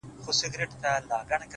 وجود پرېږدمه د وخت مخته به نڅا کومه”